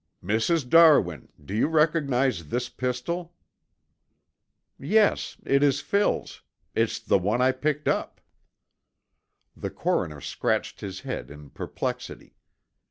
"Mrs. Darwin, do you recognize this pistol?" "Yes. It is Phil's. It's the one I picked up." The coroner scratched his head in perplexity.